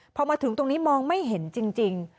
พอมาถึงตรงนี้มองไม่เห็นจริง